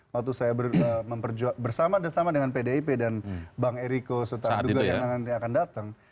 waktu saya bersama dengan pdip dan bang eriko serta duga yang nanti akan datang